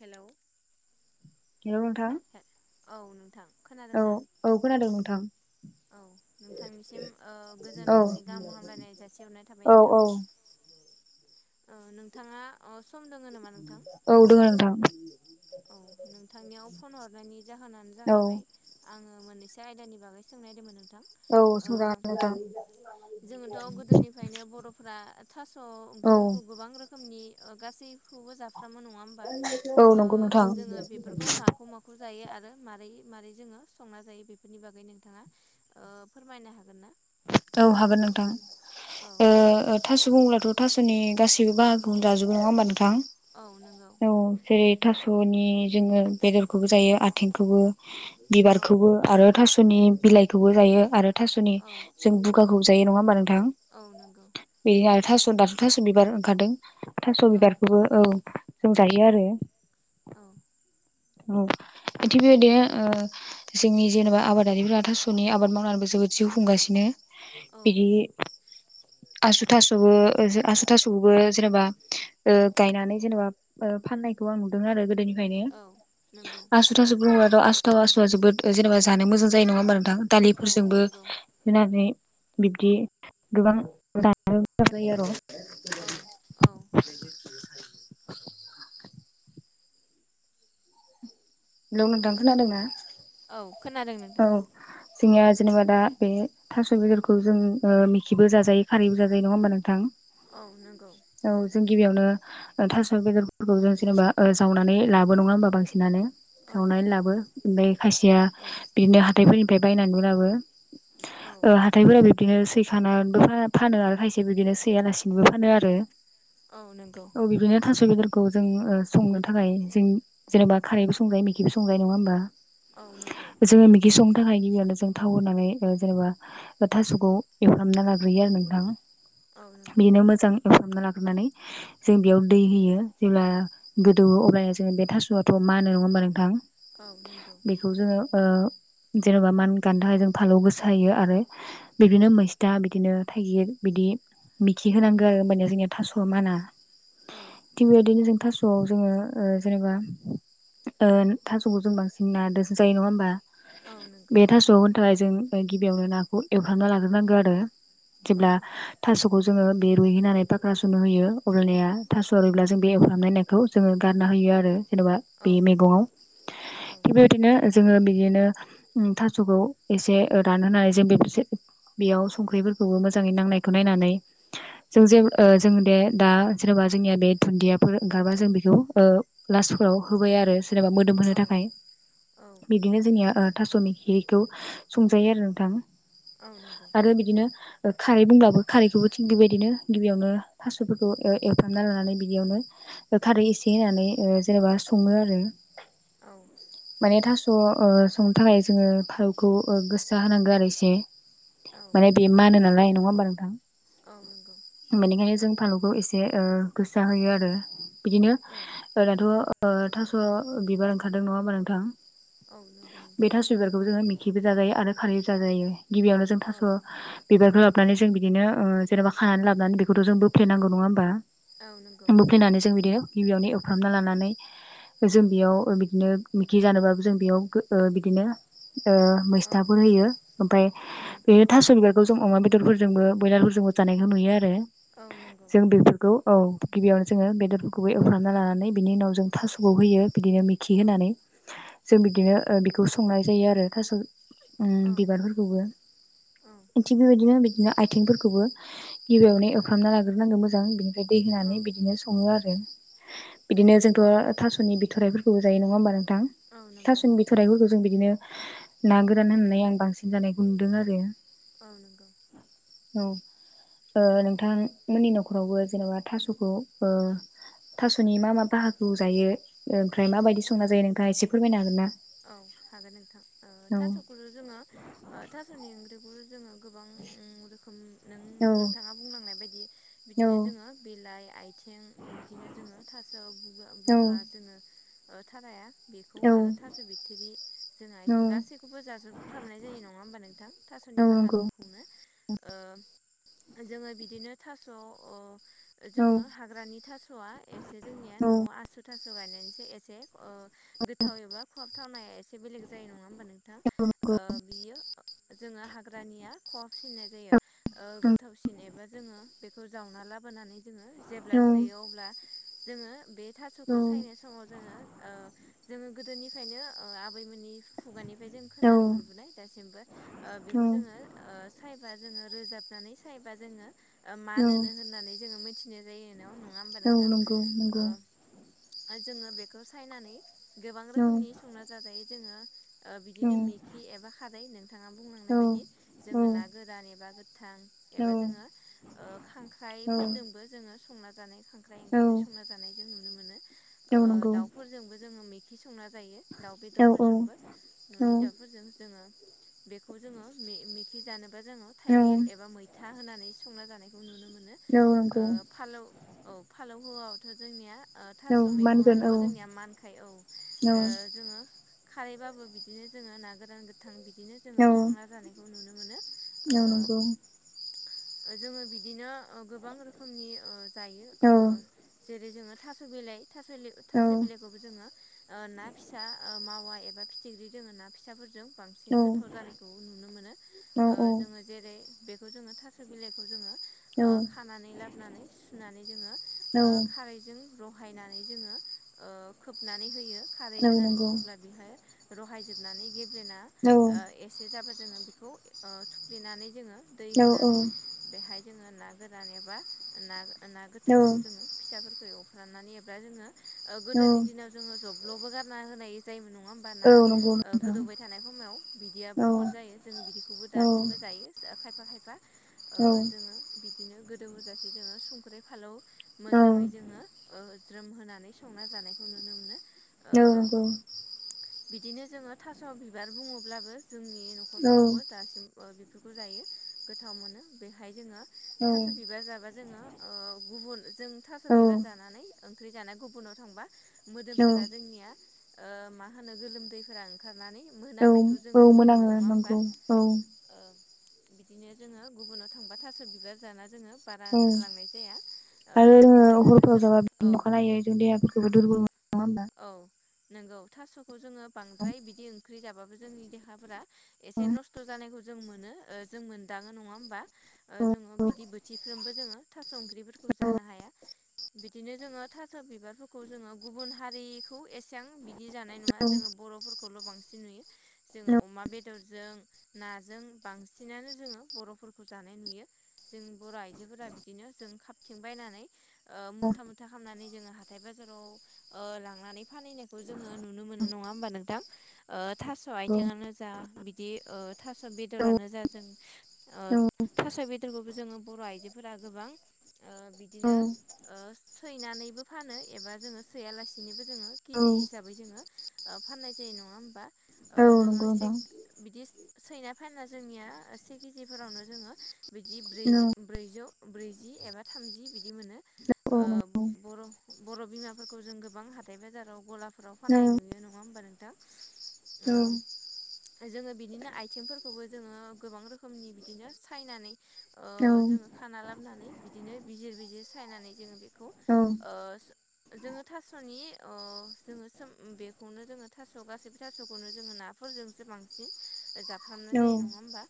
Hello. Hello नोंथां। औ नोंथां। खोनादों औ ना औ खोनादों नोंथां। औ नोंथांनिसिम ओ गोजोन औ हरनि गाहाम हामलायनाय जासिहरनाय थाबाय औ नोंथां। औ ओ नोंथाङा अ स [unintelligible] औ दोङो नोंथां। औ नोंथांनियाव फन हरनायनि जाहोनानो औ जाहैबाय आङो मोननैसो आयदानि बागै सोंनायदोमोन नो औ सोंजागोन नोंथां। जोङोथ' गोदोनिफ्रायनो बर'फोरा थास' औ ओंख्रिफोरखौ गोबां रोखोमनि ओ गासैखौबो जाफ्रामो नङा होमबा औ ओ नंगौ नोंथां जोङो बेफोरखौ माखौ माखौ जायो आरो मारै मारै जोङो संना जायो बेफोरनि बागै नोंथाङा ओ फोरमायनो हागोन ना? औ हागोन नोंथां औ ओ ओ थास' बुंब्ला थ' थास'नि गासैबो बाहागखौनो जाजोबो नङा होमबा नोंथां? औ नोंगौ। औ जेरै थास'नि जोङो बेदरखौबो जायो आथेंखौबो औ बिबारखौबो आरो थास' फोरनि बिलाइखौबो जायो आरो थास'नि औ जों बुगाखौबो जायो नङा होमबा नों औ नंगौ। थास' दाथ' थास' बिबार ओंखारदों थास' औ बिबारखौबो औ जों जायो आरो‌। औ। [unintelligible] [unintelligible] बेबायदिनो ओ जोंनि जेनेबा आबादारिफ्रा थास'नि आबाद मावनानैबो जोबोद जिउ खुंगासि -नो औ बिदि आसु थास'बो ओजो आसु थास'खौबो जेनेबा ओ गायनानै जेनेबा ओ फाननायखौ आं नुदों आरो गोदोनि खायनो औ नंगौ आसु थासु [unintelligible] आसुथाव आसुवा जोबोद जेनेबा जानो मोजां जायो नङा होमबा नोंथां औ दालिफोरजोंबो नंगौ [unintelligible] बिब्दि गोबां [unintelligible] जायो आर' औ औ। [unintelligible] हेलौ नोंथां खोनादों ना? औ खोनादों नोंथां। जोंनिया जेनेबा दा बे थास' बेदरखौ जों ओ मिखिबो जाजायो खारैबो जाजायो नङा होमबा नोंथां। औ नोंगौ औ जों गिबियावनो ओथास' बेदरफोरखौ जों जेनेबा ओ जावनानै लाबो नङा होमबा बांसिनानो औ जावनानै नंगौ लाबो ओमबाय खायसेया औ थायफोरनिफाय बायनानैबो लाबो औ ओ हाथायफोरा बे दिनो सैखानानबो फा फानो आरो खायसे बिदिनो सैयालासिनोबो फानो आरो औ नोंगौ औ [unintelligible] बेदरखौ जों ओ संनो थाखाय जों जेनेबा खारैबो संजायो मिखिबो संजायो नङा होमबा औ नोंगौ जोङो मिगि संनो थाखाय गिबियावनो जों थाव होनानै ओ जेनेबा ओ थास'खौ एवफ्रामना लाग्रोयो आरो नों औ थां नंगौ बिदिनो मोजां [unintelligible] लाग्रोनानै जों बेयाव दै होयो जेब्ला गोदौओ अब्लानिया जोङो बे थास'वथ' मा होनो नङा होनबा नोंथां औ नोंगौ बेखौ जोङो ओ जेन'बा मान गान्दा होजों फालौ गोसा होयो आरो बिदिनो मैस्था बिदिनो थाइगिर बिदि मिखि होनांगौ औ आरो होमबाना जोंना थासवा माना औ थिग बेबादिनो जों थास'आव जोङो ओ जेनेबा ओ थास'खौ जों बांसिन ना दोसो जायो नङा‌ होमबा औ नंगौ बे थास'आव होनो थाखाय जों गिबियावनो नाखौ एवफ्रामना लाग्रोनांगौ आरो औ जेब्ला थास' -खौ जोङो बे रुहैनानै फाख्रा सुनो होयो अलनाया थास'वा रुयोब्ला जों बे एवफ्रामनायखौ जो गारना होयो आरो जेनेबा औ बे नंगौ मैगंआव औ थिग बेबायदिनो जोङो बिदिनो थास'खौ एसे रानहोनानै जों बेफोरसे बेयाव संख्रिफोरखौबो मोजाङै नांनायखौ नायनानै जों जे ओ जों दे दा जेनेबा जोंनिया बे दुनदिया ओंखारबा जों बेखौ ओ लासफोराव होबाय आरो जेनेबा मोदोम औ होनो थाखाय औ बिदिनो जोंनिया अ थास' मिखिखौ संजायो आरो नोंथां नंगौ आरो बिदिनो अ खारै बुंब्लाबो खारैखौबो थिग बेबायदिनो गिबियावनो थास'फोरखौ एवफ्रामना लानानै बिदियावनो खारै एसे होनानै अ जेनेबा सङो आरो औ माने थास' अ संनो थाखाय जोङो फालौखौ अ गोसासा होनांगौ आरो एसे औ माने बे नंगौ मानो नालाय नङा होमबा नोंथां औ नंगौ बेनिखायनो जों फालुखौ एसे गोसा होयो आरो बिदिनो औ जोंनाथ' थास' बिबार ओंखारदों नङा होनबा नोंथां औ नंगौ बे नोंथां थास' बिबारखौबो जोङो मिखिबो जाजायो आरो खारैबो जाजायो गिबियावनो जों औ थास' बिबारफोरा हाबनानै जों बिदिनो अ जेन'बा खानानै लाबोनानै बेखौथ' जों बोफ्ले नांगौ नङा होमबा? औ नंगौ बोफ्लेनानै जों बिदि गिबियावनो एवफ्रामना लानानै। जों बेयाव बिदिनो मिखि जानोबा जों बेयाव बिदिनो अ औ मेस्तफोर होयो। ओफ्राय औ बिदिनो थास' बिबार बेखौ जों अमा बेदरफोरजोंबो बयलारफोरजोंबो जानायखौ नुयो आरो औ नंगौ जों बेफोरखौ औ गिबियावनो जोङो बेदरफोरखौबो एवफ्रामना लानानै बिनि उनाव जों थास'खौ होयो। बिदिनो मिखि औ होनानै। जों बिदिनो अ बिखौ संनाय जायो आरो थास' ओम बिबारफोरखौबो। औ थिग बेबायदिनो बिदिनो आथिंफोरखौबो गिबियावनो एवफ्रामना लाग्रोनांगौ मोजां बिनिफ्राय दै औ होनानै बिदिनो सङो आरो। औ बिदिनो जोंथ' थास'नि बिथ'राइफोरखौबो जायो नङा होमबा नोंथां? औ नंगौ थास'नि बिथराइफोरखौ जों बिदिनो ना गोरान होननानै आं बांसिन जानाय नुदों आरो। ओं। औ ओ नोंथां मोननि न'खरावबो जेनेबा थास'खौ ओ थास'नि मा -मा बाहागोखौ जायो? ओमफ्राय औ माबायदि संना जायो? नोंथाङा एसे फोरमायनो हागोन ना? औ हागोन नोंथां, औ थास'खौ' जोङो अ थास'नि ओंख्रिखौ जोङो गोबां ओं रोखोम नों औ -नोंथाङा बुंलांनाय बायदि औ बिदिनो जोङो बिलाइ आथिं बिदिनो जोङो थास' बु- औ बुगा जोङो थाराया बेखौ औ आरो थास' बिथिरि जोंहा औ आथिं गासैखौबो जाजोबफ्रामनाय जायो नङा होमबा नोंथां? औ थास'नि नंगौ बाहागोखौ [unintelligible] अ जोङो बिदिनो थास' अ औ जोङो हाग्रानि थास'आ एसे जोंनिया औ न'आव आसु थासु गायनायनिसे एसे अ गोथाव एबा खहाबथावनाया एसे बेलेग जायो नङा होमबा नोंथां नंगौ ओ जोङो हाग्रयानिया खहाबसिननाय जायो ओ गोथावसिन एबा जोङो बेखौ जावना लाबोनानै जोङो औ जेब्ला जायो। अब्ला जोङो बे औ थास'खौ सायनाय समाव जोङो ओ जोङो गोदोनिफ्रायनो अ आबैमोननि खुगानिफ्राय जों औ खोनानो मोनबोनाय दासिमबो ओ औ बेखौ जोङो ओ सायना रोजाबनानै सायोबा जोङो मानोनो होननानै जों मिथिनाय जायो नङा होमबा औ नोंथां? नंगौ नंगौ जोङो बेखौ सायनानै गोबां औ रोखोमनि संना जाजायो जोङो औ बिदिनो मिखि एबा खारै नोंथाङा औ बुंलांनाय बायदि जोङो ना गोरान एबा गोथां औ एबा जोङो ओ औ खांख्राइफोरजोंबो जोङो संना जानाय खांख्राइ, औ एखावरि संना जानाय जों नुनो मोनो औ नंगौ दाउफोरजोंबो जोङो संना जायो दाउ औ बेदरफोरजोंबो न'नि दाउफोरजों जोङो बेखौ जोङो मेखि जानोबा जोङो औ थाइगिर एबा मैथा होनानै [unintelligible] संना जानायखौ नुनो मोनो औ ओ नंगौ फालौ औ फालौ हौआबाथ' जोंनिया औ थास' मा मैगङाथ' जोंनिया मानखायो औ जोङो खारैबाबो बिदिनो जोङो ना गोरान गोथां बिदिनो होनगोन औ जोङो संना जानायखौ नुनो मोनो। औ ओ नंगौ। जोङो बिदिनो गोबां रोखोमनि जायो जेरै जोङो थास' बिलाइ थास' औ बिलाइखौबो जोङो ना फिसा ओ मावा एबा फिथिंख्रि दोङो ना फिसाफोरजों औ बांसिन गोथाव नंगौ जानायखौ नुनो मोनो। औ ओ जोङो जेरै बेखौ जोङो थास' बिलाइखौ जोङो खानानै लाबोनानै सुनानै जोङो खारैजों रहायनानै जोङो ओ खोबनानै होयो खारै औ होनानै नंगौ अब्ला बेहाय रहायजोबनानै गेब्लेना औ एसे जाबा जोङो बेखौ ओ थुफ्लेनानै जोङो दै औ होनानै बेहाय जोङो ना गोरान एबा ना ना गोथांखौ जोङो फिसाफोरखौ एवफ्राननानै एबा जोङो गोदोनि दिनाव जोङो जब्ल'बो गारना होनाय जायोमोन। नङा औ होमबाना नंगौ ओ नोंथां गोदौबाय थानाय हमायाव औ बिदियाबो खद जायो जोंङो बिदिखौबो औ दासिमबो जायो। खायफा खायफा ओ औ जोङो बिदिनो गोदौ होजासे जोङो संख्रि, फालौ। औ मोजाङै जोङो ओ ज्रोम होनानै संना जानायखौ नुनो मोनो। औ ओ नंगौ। बिदिनो जोङो थास' बिबार बुङोब्लाबो जोंनि औ न'खरफोरावबो दासिम ओ बेफोरखौ जायो गोथाव मोनो बेहाय जोङो औ थास' बिबार जाबा जोङो। ओ गुबुन जों थास' औ बिबार जानानै ओंख्रि जानाया गुबुनाव थांबा औ मोदोमफोरा जोंनिया ओ मा होनो गोलोमदैफोरा ओंखारनानै औ मोनांनायखौ जों औ नुनो मोनो मोनामो नङा होमबा नंगौ औ। ओ बिदिनो जोङो गुबुनाव थांबा थास 'बिबार जाना जोङो बारा औ ओंखारलांनाय जाया ओ आरो जोङो थास' हरफोराव जाबा औ बिदिनो अखानायो जों देहाफोरखौबो दुरबल नङा होमबा औ नंगौ थास'खौ जोङो बांद्राय बिदि ओंख्रि जाबाब बो जोंनि देहाफोरा औ एसे नस्थ' जानायखौ जों मोनो जों मोनदाङो नङा होमबा। ओ जोङो बिदि बोथिफ्रोमबो जोङो थास' ओंख्रिफोरखौ जानो हाया। बिदिनो जोङो थास' बिबारफोरखौ जोङो गुबुन हारिखौ एसेबां बि दि जानाय नुआ नंगौ जोङो बर'फोरखौल बांसिन नुयो नोंथां जोङो अमा बे दरजों नाजों बांसिनानो जोङो बर'फोरखौ जानाय नुयो जों बर' आइजो फोरा बिदिनो जों खाबथिं बायनानै ओ मुथा मुथा खालामनानै जोङो हाथाय बाजाराव ओ लांनानै फानहैनायखौ जोङो नुनो मोनो नङा होमबा नोंथां। ओ थास' औ आथिंआनो जा बिदि ओ थास' बेदरानो जा जों ओ थास' बेदरखौबो जोङो बर' आइजोफोरा गोबां ओ बिदिनो ओ सैनानैबो फानो एबा जोङो सैयालासिनो बो जोङो केजि हिसाबै जोङो फाननाय जायो नङा होमबा। ओ जोङो सेक बिदिस सैना फानना जोंनिया से केजिफोरावनो जोङो बिदि ब्रै-ब्रैजौ। ब्रैजि एबा थामजि बिदि मोनो ओ बर' बर' बिमा खौ जों गोबां हाथाय बाजाराव गलाफोराव फाननाय नुयो नङा होमबा नोंथां। ओम जोङो बिदिनो आइथिंफोरखौबो जोङो गोबां रोखोमनि बिदिनो सायनानै ओ जोङो खाना लाबोनानै बिदिनो बिजिर बिजिर सायनानै जोङो बेखौ ओ जोङो थास'नि ओ जोङो सोम बेखौनो जोङो थास' गासैबो थास'खौनो जोङो नाफोर जोंसो बांसिन जाफामनाय जायो नङा होमबा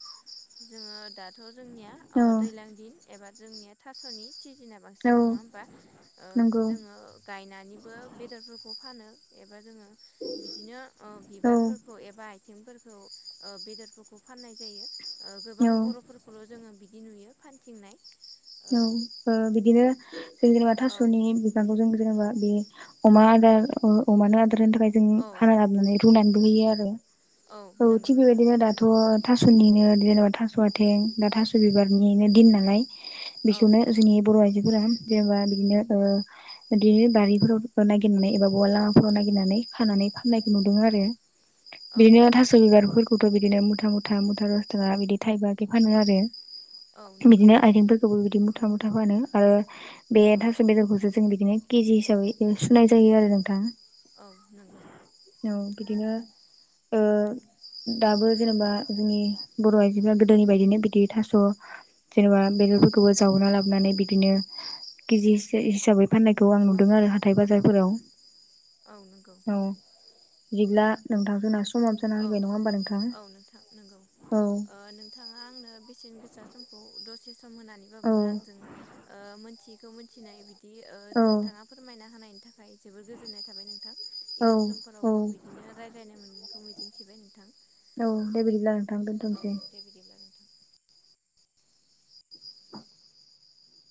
जोङो दाथ' जोंनिया ओ दैलां दिन एबा जोंनिया थास'नि सिजोना बांसिन नङा होमबा ओ नंगौ जोङो बायनानैबो बेदरफोरखौ फानो एबा जोङो बिदिनो ओ औ बिबारफोरखौ एबा आथिंफोरखौ ओ बेदरफोरखौ फाननाय जायो ओ गोबां बर'फोरखौल' जोङो बिदि नुयो फानथिंनाय औ ओ बिदिनो जों जेनेबा औ थास'नि बिफांखौ जों जेनेबा बे अमा आदार ओ अमानो आदार होनो थाखाय जों औ हाना लाबोनानै रुनानैबो होयो आरो औ नंगौ थिग नोंथां बेबायदिनो दाथ' थास'निनो देनेबा थास' आथें दा थास' बिबारनिनो दिन नालाय औ बेखौनो नंगौ जोंनि बर' आइजोफोरा जेनेबा बिदिनो ओ बिदि बारिफोराव नागिरनानै एबा औ बबा लामाफोराव नागिरनानै खाना नै फाननायखौ नुदों आरो औ बिदिनो नंगौ थास' बिबारफोरखौथ' बिदिनो मुथा मुथा मुथा दसथाका बिदि थाइबाके फानो आरो औ नंगौ बिदिनो आइथिंफोरखौबो बिदि मुथा मुथा फानो आरो बे औ थास' बेदरखौसो जों बिदिनो केजि हिसाबै सुनाय जायो आरो नोंथां औ नंगौ औ बिदिनो ओ दाबो जेनेबा जोंनि बर' आइजोफ्रा गोदोनि बायदिनो बिदि थास' जेनोबा बेदर खौबो जावना लाबोनानै बिदिनो केजिसे हिसाबै फाननायखौ आं औ नुदों आरो हाथाय बाजार फोराव औ नंगौ बिदिब्ला नोंथां खोनासं औ औ नोंथां नंगौ औ ओ नोंथाङा आंनो बेसे न गोसा समखौ दसे सम औ होनानैबाबो आंजों ओ मोनथियैखौ मोनथिनाय बि दि औ ओ नोंथाङा फोरमायना होनायनि थाखाय जोबोर गोजोननाय थाबाय नोंथां औ इयुन औ समफोरावबो बिदिनो रायलायनो मोनगोनखौ मिजिंथिबाय नोंथां औ दे बिदिब्ला नोंथां औ दोनथ'नोसै दे बिदिब्ला नोंथां